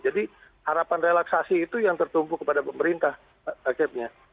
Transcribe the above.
jadi harapan relaksasi itu yang tertumpu kepada pemerintah akhirnya